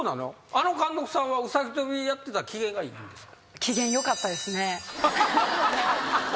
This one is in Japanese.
あの監督さんはうさぎ跳びやってたら機嫌がいいんですか？